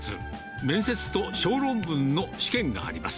面接と小論文の試験があります。